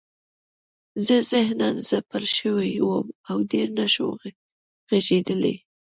زه ذهناً ځپل شوی وم او ډېر نشوم غږېدلی